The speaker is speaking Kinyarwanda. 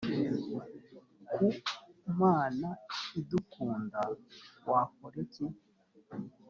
ku mana idukunda wakora iki